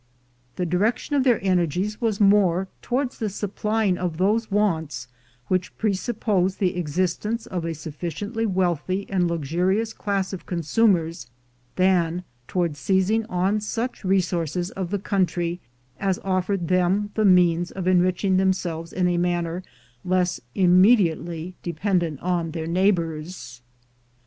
The direction of their energies was more towards the supplying of those wants which presuppose the existence of a sufficiently wealthy and luxurious class of consumers than towards seizing on such resources of the country as offered them the means of enriching themselves in a manner less immediately dependent on their neighbors.